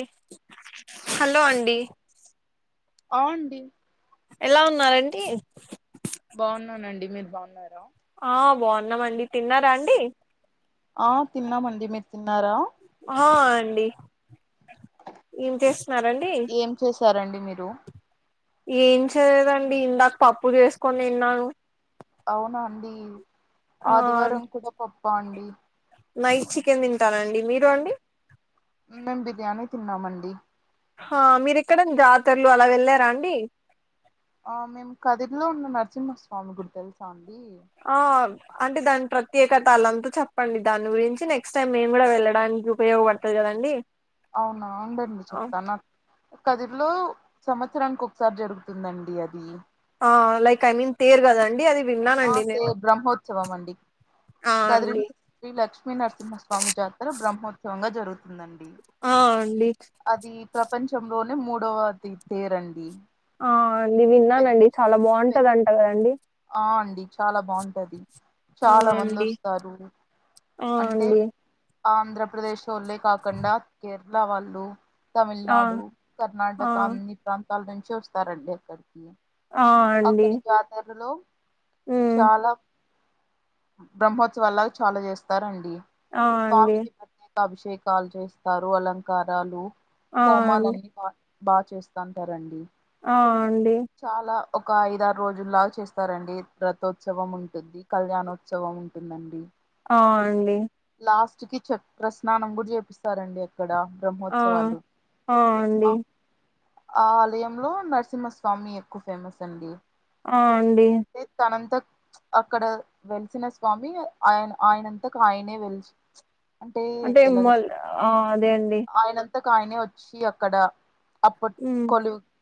ఎ hello అండి ఆ అండి ఎలా ఉన్నరండి బాగున్నానండి మీరు బాగున్నారా ఆ బాగున్నామ అండి తిన్నారా అండి ఆ తిన్నామండి మీరు తిన్నారా ఆ అండి ఏం చేస్తున్నారండి ఏం చేశారండి మీరు ఏం చేయలెదండి ఇందాక పప్పు చేసుకొని తన్నాను అవునా అండి ఆ ఆదివారం కూడా పప్ప అండి నైట్ చికెన్ తింటరండి మీరు అండి మేము బిర్యానీ తిన్నామండి ఆ మీరు ఇక్కడ జాతరలు అలా వెళ్ళారా అండి ఆ మేము కదిరిలో ఉన్న నరసింహస్వామి గుడి తెలుసా అండి ఆ అంటే దాని ప్రత్యేకతలంత చెప్పండి దాని గురించి నెక్స్ట్ టైం మేము కూడా వెళ్ళడానికి ఉపయోగపడత కదండి అవును అందర్నీ చెప్తనా కదిరీలో సంవత్సరానికి ఒకసారి జరుగుతుందండి అది ఆ లైక్ ఐ మీన్ తేరు కదండి అది ఆ విన్నానండి నేను తేరు బ్రహ్మోత్సవం అండి ఆ కదిరి అండి శ్రీ లక్ష్మీ నరసింహస్వామి జాతర బ్రహ్మోత్సవంగా జరుగుతుందండి ఆ అండి అది ప్రపంచంలోనే మూడవది పేరండి ఆ నేను విన్నానండి చాలా పె బాగుంటదంట కదండి ఆ అండి చాలా బాగుంటది ఆ చాలా మంది అండి వస్త తరు ఆ అంటే అండి ఆంధ్రప్రదేశ్ ఓళ్ళే కాకుండా కేరళ వాళ్ళు ఆ తమిళనాడు, ఆ కర్ణాటక అన్ని ప్రాంతాల నుంచి వస్తారండి అక్కడికి. ఆ అండి అక్కడ జాతరలో ఉమ్ చాలా బ్రహ్మోత్సవాలాగ చాలా చేస్తారండి ఆ అండి స్వామికి ప్రత్యే అభిషేకాలు చేస్తారు అలంకారాలు ఆ అండి హోమాలన్నీ బాగా చేస్తాంటరండి ఆ అండి చాలా ఒక ఐద ఆరు రోజులాగా చేస్తారండి రథోత్సవం ఉంటుంది కళ్యాణోత్సవం ఉంటుందండి. అ అండి లాస్ట్ కి చె ప్రస్నానం కూడా చేపిస్ ఇస్తారండి అక్కడ ఆ బ్రహ్మోత్సవాలు ఆ అండి ఆ ఆ ఆలయంలో నర్సింహస్వామి ఎక్కువ ఫేమస్ అండి ఆ అండి మీ తనంత అక్కడ వెలిసిన స్వామి ఆయన ఆయనంతకు ఆయనే వెలిసి అంటే ఎలా చెప్ మళ్ ఆ అదే అండి ఆయనంతకు ఆయనే వచ్చి అక్కడ అప్పట్ ఉ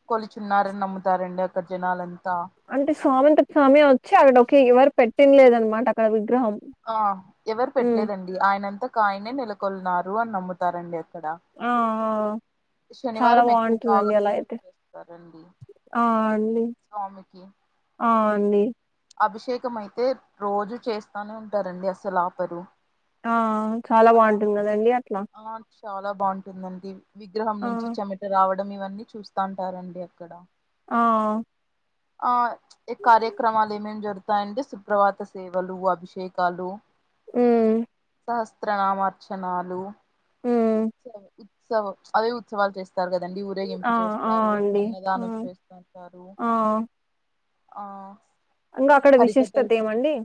కొలుచున్నారని నమ్ముతారండి అక్కడ జనాలంతా అంటే స్వామంతకి స్వామే వచ్చి అక్కడ ఒక ఎవరు పెట్టిన లేదనమాట అక్కడ విగ్రహం ఆ ఎవరు ఉమ్ పెట్టలేదండి ఆయనంతకు ఆయనే నెలకొలున్నారు అని నమ్ముతారండి అక్కడ ఆ చాలా శనివారం ఎక్కువ బాగా పూజలు చేస్తారండి అ అండి స్వామికి ఆ అండి అభిషేకం అయితే రోజు చేస్తానే ఉంటారండి అసలు ఆపరు ఆ చాలా ఆ బాగుంటుంది కదండి అట్లా ఆ చాలా బాగుంటుందండి విగ్రహం ఆ నుంచి చెమట రావడం ఇవన్నీ చూస్తాంటారండి అక్కడ ఆ ఆ ఈ కార్యక్రమాలు ఏమ్ ఏమ్ జరుగుతాయంటే శుభ్రవాత సేవలు అభిషేకాలు ఉ సహస్ర నామార్చనాలు ఉత్సవ ఉత్సవ అదే ఉత్సవాలు చేస్త చేస్తారు కదా అండీ ఆ ఊరేగింపు ఆ చేస్తారు అండి అన్నదానం చేస్తుంటారు ఆ ఆ ఇంక అక్కడ హరికథలు విశిష్టదేవండీ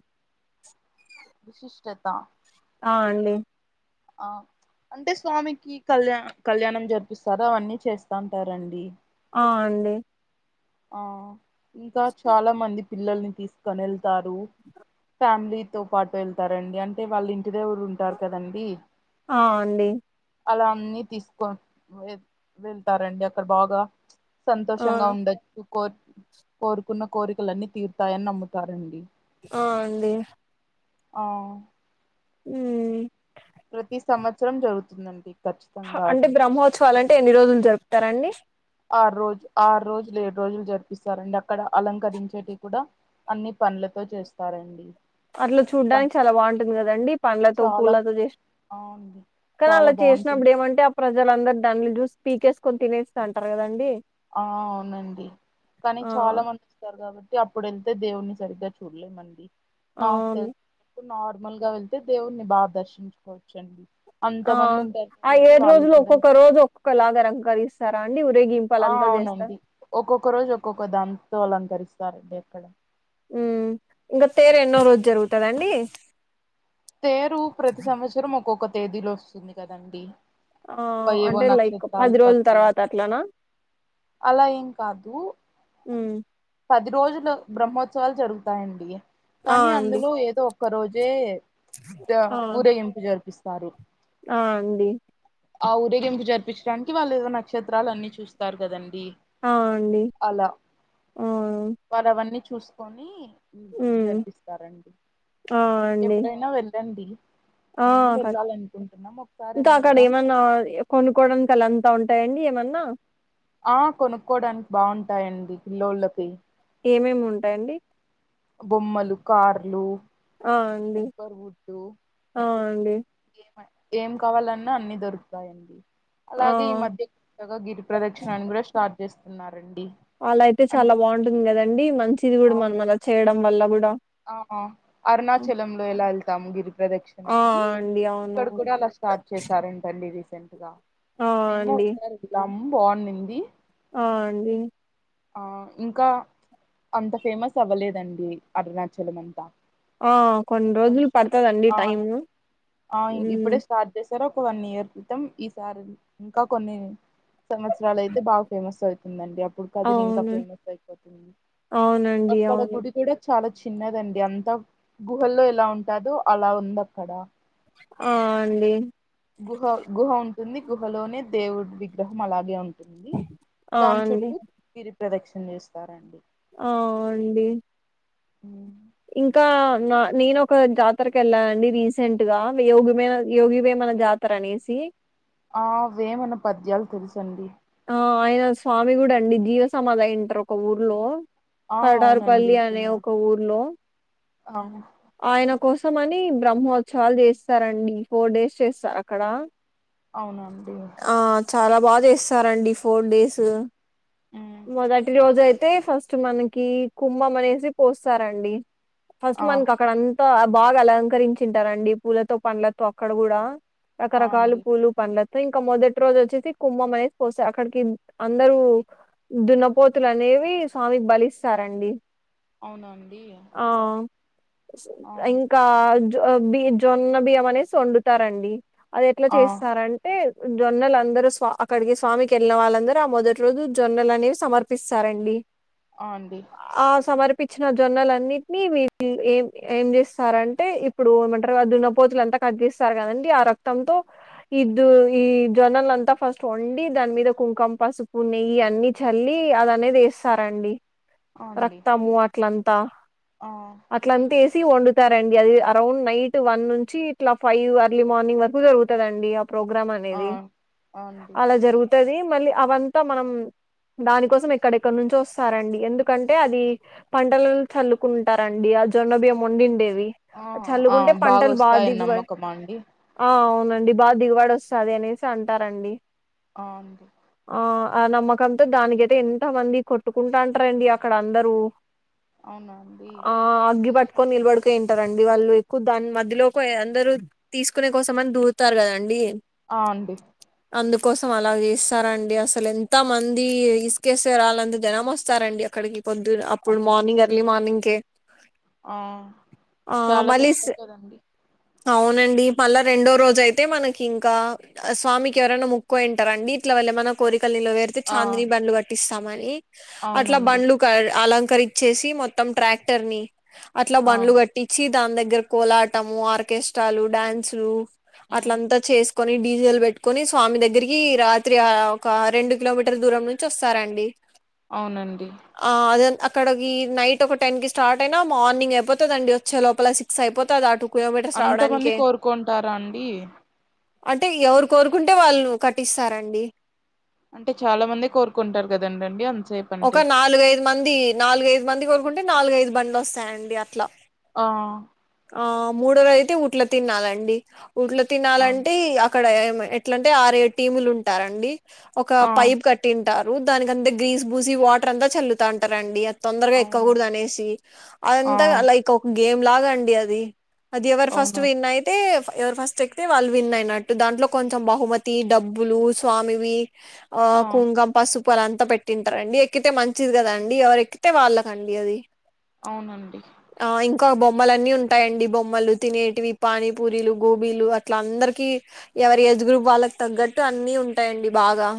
విశిష్టత ఆ అండి ఆ అంటే స్వామికి కళ్యా కళ్యాణం జరిపిస్తారు అవన్నీ చేస్తంటారండి ఆ అండి ఆ ఇంకా చాలా మంది పిల్లల్ని తీసు తీసుకొని వెళ్తారు ఫ్యామిలీ తో పాటు వెళ్తారండి అంటే వాళ్ళు ఇంటి దేవుడు ఉంటారు కదండి ఆ అండి అలా అన్ని తీసుక వె వెళ్తారండి అక్కడ బాగా ఆ సంతోషంగా ఉండొచ్చు కోరు కోరుకున్న కోరికలన్నీ తీరుతాయని నమ్ముతారండి ఆ అండి అ హోమ్ ప్రతి సంవత్సరం జరుగుతుందండి హ ఖచ్చితంగా అంటే అది బ్రహ్మోత్సవాలు అంటే ఎన్ని రోజులు జరుపుతారండి ఆ రోజు ఆరు రోజులు ఏడు రోజులు జరిపిస్తారండి అక్కడ అలంకరించేటీవీ కూడా అన్ని పనులతో చేస్తారండి అట్లా ప చూడ్నికి చాలా బాగుంటుంది కదా అండీ పండ్లతో పూలతో చేసింది ఆ కానీ ఆళ్లకు చేసినప్పుడు ఏమంటే ప్రజలందరూ దాని చూసి పీకేసుకొని తినేస్తా అంటారు కదా అండీ ఆ అవునండి కానీ చాలా మంది అప్పుడు వెళ్తే దేవుని సరిగ్గా చూడలేం మండి నాకు అవును తెలుసు ఇపుడు నార్మల్ గా వెళ్తే దేవున్ని బాగా దర్శించుకోవచ్చు అండి ఆ ఆ ఏడు రోజులు కూడా ఒక్కొక్క రోజు ఒక్కొక్క లాగ అలంకరిస్తారా అండి ఊరేగింపు ఆ అవునండి ఒక్కొక్క రోజు ఒక్కొక్క దాంతో అలంకరిస్తారండి ఇక్కడ హ్ ఇంకా తేరు ఎన్నో రోజు జరుగుతాదండి తేరు ప్రతి సంవత్సరం ఒక్కొక్క తేదీలో వస్తుంది కదా అండి ఆ అంటే లైక్ పది రోజుల పట్టి తర్వాత అట్లనా అలా ఏమ్ కాదు ఉమ్ పది రోజు బ్రహ్మోత్సవాలు జరుగుతాయండి ఆ కానీ అండి అందులో ఏదో ఒక్క రోజే ఆ ఊరేగింపు జరిపిస్తారు ఆ అండి ఆ ఊరేగింపు జరిపించడానికి వాళ్ళు ఏదో నక్షత్రాలు అన్ని చూస్తారు కదండీ అ అండి ఆ వారు అవన్నీ చూసుకొని ఉమ్ జరిపిస్తారండి ఆ అండి ఎప్పుడైనా వెళ్ళండి ఆ మేమ్ వెళ్ళాలి అనుకుంటున్నాం ఒకసారిమో వెళ్ళాం నాద్ ఏప్ కొనుక్కోవడాని అల్లా అంతా ఉంటాయండి ఏమన్నా ఆ కొనుక్కోవడానికి బాగుంటాయండి పిల్లోళ్ళకి ఏమేమి ఉంటాయండి బొమ్మలు కార్లు. ఆ అండి ఊపర్ వుడ్డు ఆ అండి. ఏం కావాలన్నా అన్ని దొరుకుతాయండి ఆ అలాగే ఈ మధ్య. చక్కగా గిరి ప్రదక్షిణా కూడా స్టార్ట్ చేస్తున్నారండి. అలా అయితే చాలా అంటే బాగుంటుంది కదాండి మంచిది కూడా మనం అలా అవునండి చేయడం వల్ల కూడా. ఆ అరుణాచలం లో ఎలా వెళ్తాం గిరి ఆ ప్రదక్షిణనికి. అండి అవును ఇక్కడ కూడా అలా స్టార్ట్ చేస్తారండి. రీసెంట్ గా ఆ మేము అండి ఒకసారి వెళ్ళం బాగుండింది. ఆ అండి. ఆ ఇంకా అంత ఫేమస్ అవ్వలేదండి అరుణాచలం అంతా. ఆ కొన్ని ఇం రోజులు కొంచం పడతదండి ఆ టైము ఆ మ్మ్ ఇప్పుడే స్టా. స్టార్ట్ చేస్తారు ఒక వన్ ఇయర్ క్రితం ఈసారి ఇంకా కొన్ని. సంవత్సరాలు అయితే బాగా ఫేమస్ అవుతుంది అండి అప్పుడు. ఇంకా అవును ఫేమస్ అయిపోతుంది అవునండి అక్కడ అవును గుడి కూడా. చాలా చిన్నది అండి అంత గ్రుహల్లో ఎలా ఉంటాదో అలా ఉంది అక్కడ. ఆ అండి. గుహ ఉంటుంది గుహలోనే దేవుడు విగ్రహం అలాగే ఉంటుంది. ఆ దాని అండి చుట్టూ గిరి ప్రదక్షిణ చేస్తారండి. ఆ అవునండి హ్మ్. ఇంకా నా నేను ఒక జాతరకు వెళ్ళానండి రీసెంట్ గా యోగిమ యోగిమేమన జాత త్తరు అనేసి. ఆ వేమన పద్యాలు తెలుసండి ఆ ఆయన స్వామి కూడా అండి జీవ సమాధి అయింటారు ఒక ఊర్లో. ఆ కోడారుపల్లి అనే ఒక ఊర్లో అవునా ఆయన కోసం అని బ్రహ్మోత్సవాలు చేస్తారండి ఫోర్ డేస్ చేస్తారు అక్కడ. ఆ. అవున అండి. ఆ చాలా బాగా చేస్తారండి ఫోర్ డేసు హ్మ్. మొదటి రోజయితే ఫస్ట్ మనకి కి కుంభం అనేసి పోస్తారండి. ఫస్ట్ ఆ మనకు అక్కడ అంతా బాగా అలంకరించింటారండి పూలతో పండ్లతో అక్కడ కూడా ఆ రకరకాల అండి పూలు పండ్ల తో ఇంకా మొదటి రోజు వచ్చేసి కుంభం అనేసి పోస్తే అక్కడికి అందరు దున్నపోతులు అనేవి స్వామికి బలిస్తారండి. అవునా అండి ఆ ఆ ఇంకా జో బియ్ జొన్న బియ్యం అనేసి వండుతారండి అది ఎట్లా ఆ చేస్తారన్ అంటే జొన్నల అందరు స్వా అక్కడికి స్వామికి వెళ్ళిన వాళ్ళు అందర ఆ మొదటి రోజు జొన్నలు అనేవి సమర్పిస్తారండి. ఆ. ఆ అండి. ఆ సమర్పిచ్చిన జొన్నలన్నీ మీ మీ ఏం ఏం చేస్తారంటే ఇప్పుడు ఏమంటారు ఆ దున్న పోతులు ఎంతా కట్ చేస్తారు కదాండి ఆ రక్త్ రక్తంతో ఇద్దు ఈ జొన్నల అంతా ఫస్ట్ వండి దాని మీద కుంకం పసుపు నెయ్యి అన్ని చల్లి అలానే వేస్తారండి ఆ అండి రక్తము అట్లాంతా ఆ అట్లా అంతేసి వండుతారండి అది అరౌండ్ నైట్ వన్ నుంచి ఇట్లా ఫైవ్ అర్లీ మార్నింగ్ వరకు జరుగు టుధండి ఆ ప్రోగ్రాం ఆ అనేది ఆ అండి అలా జరుగుతది మళ్ళీ అవంతా మనం. దానికోసం ఎక్కడెక్కడ నుంచో వస్తారండి ఎందుకంటే అది పంటలు చల్లు కుంటరండి ఆ జొన్న బియ్యం వండిండేవి ఆ ఆ చల్లుకుంటే బాగా పంటలు బా వస్తాయని దిగుబడి నమ్మకమా అండి ఆ అవునండి బా దిగుబడి వస్తాది అనేసి అంటారండి ఆ అండి ఆ ఆ నమ్మకంతో దానికైతే ఎంత మంది కొట్టుకుంటాంటారండి అక్కడ అందరూ అవునా అండి ఆ అగ్గి పట్టుకొని నిలబడికోయింటారండి వాళ్ళు ఎక్కువ దాని మధ్యలోకోయ్ అందరు తీసుకోనే కోసం అని దూరుతార్ కదండి అ అండి అందుకోసం అలాగ చేస్తారండి అసలు ఎంత మంది ఇసుకేస్తే రాళ్ళంత జనం వస్ చ్చారండి అక్కడికి పొద్దున అప్పుడు అమ్ మార్నింగ్ ఎర్లీ మార్నింగ్కే ఆ ఆ చాలా మళ్ళీ కష్టం స్- కదండి అవునండి మళ్ళా రెండో రోజయితే మనకింకా ఆ స్వామికి ఎవరన్న ముక్కోనింటారండి ఇట్ల వాళ్లేమన్నా కోరికలు నిలవేరు ఆ చాందినీ బండ్లు కట్టిస్తామని అట్లా అవునండి బండ్లు క అంలకరిచ్చేసి ఈ మొత్తం ట్రాక్టర్ని అట్లా ఆ బండ్లు గట్టి పిచ్చి దాని దగ్గర కోలాటము ఆర్కెస్ట్రాలు డ్యాన్సులు ఉమ్ అట్లంతా చేసుకొని డీ జే లు పెట్టుకొని స్వామి దగ్గరికి రాత్రి ఆ ఒక రెండు కిలోమీటర్ దూరం ను చొస్సారండి అవునండి ఆ అదన్ అక్కడ ఈ నైట్ ఒక టెన్ కి స్టార్ట్ అయినా మార్నింగ్ అయిపోతదండి వచ్చే లోపల సిక్స్ అయిపోతది అటు అంత మంది కోరుకో ఉంటారా అండి అంటే ఎవరు కోరుకుంటే వాళ్ళు కట్టిస్తారండి అంటే చాలా మంది కోరుకొంటారు కదండండి అన్సేప్ ఒక నాలుగైదు మంది నాలుగైదు మంది కొనుక్కుంటే నాలుగైదు బండ్లొస్తాయండి అట్లా ఆ ఆ మూడోరయితే ఉట్ల తిరనాలండి ఉట్ల ఆ తిరనాలంటే ఆ క్కడ ఏమి ఎట్లంటే ఆరేడు టీములు ఉంటారండి ఒక ఆ పైప్ క ట్టింటారు దానికి అంతా గ్రీస్ బూసి వాటర్ అంతా చల్లుతాంటారండి అ తొందరగా అవును ఎక్కకూడదనేసి ఆ అదంతా లైక్ ఒక గేమ్ లాగా అండి అది అది ఏవరు ఫస్ట్ అవునా విన్ ఆయి తే ఎవరు ఫస్ట్ ఎక్కితే వాళ్ళు విన్ అయినట్టు దాంట్లో కొంచెం బహుమతి డబ్బులు స్వామివి ఆ కుంగం పసు పు అదంతా పెట్టింటారండి ఎక్కితే మంచిది కదండి ఎవరు ఎక్కితే వాళ్ళకండి అది అవునండి ఆ ఇంకా బొమ్మలన్నీ ఉన్ టాయండి బొమ్మలు తినేటివి పానీపూరీలు గోబీలు అట్ల అందరికి ఎవరి ఏజ్ గ్రూప్ వాళ్ళకు తగ్గట్టు అన్నీ ఉంటాయండి బాగా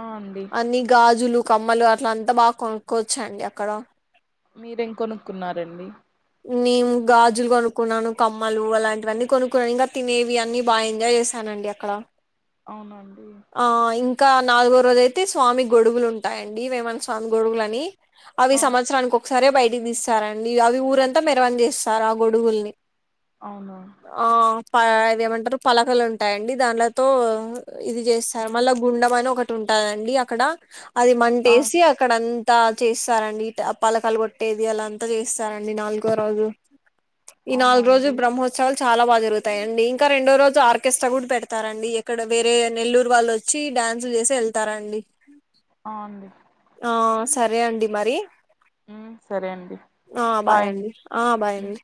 ఆ అండి అన్ని గాజులు కమ్మలు అట్ల అంతా బాగా కొనుక్కోచ్చండి అక్కడ మీరేం కొనుక్కున్నారండి నీము గా జులు కొనుక్కున్నాను కమ్మలు అలాంటివన్నీ కొనుక్కున్నా ఇంకా తినేవి అన్నీ బా ఎంజాయ్ చేశానండి అక్కడ అవునండి ఆ ఇంకా నాలుగో రోజైతే స్వామి గొడుగులు ఉంటాయండి వేమాన స్వామి గొడుగులని అవి ఆ సంవత్సరానికి ఒకసారే బయటకి తీస్తారండి అవి ఊరంతా మెరవణి చేసారు ఆ గొడుగుల్ని అవునా ఆ ప ఇదేమంటారు పలకలు ఉంటాయండి దాండ్లతో ఇది చేసారు ఉమ్ మళ్ళా గుండం అని ఒక టుంటాదండి అక్కడ అది అవును మంటేసి అ క్కడంతా చేస్తారండి పలకలు కొట్టేది అలా అంతా చేస్తారండి నాలుగో రోజు ఈ అవునా నాలుగు రోజలు అండి బ్రహ్మో త్సవాలు చాలా బా జరుగుతాయండి ఇంకా రెండో రోజు ఆర్కేస్ట్రా కూడా పెడతారండి ఇక్కడ వేరే నెల్లూరు వాళ్ళొ చ్చి డ్యాన్సులు చేసి ఎళ్తారండి ఆ అండి ఆ సరే అండి మరి ఉమ్ సరే అండి ఆ బాయ్ అండి ఆ బాయ్ ఉమ్ అండి